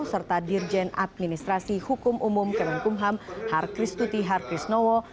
serta dirjen administrasi hukum umum kemenkumham har kristuti har krisnowo